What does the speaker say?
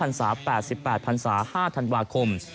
พันศา๘๘พันศา๕ธันวาคม